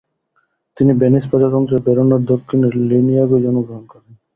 তিনি ভেনিস প্রজাতন্ত্রের ভেরোনার দক্ষিণের লেনিয়াগোয় জন্মগ্রহণ করেন।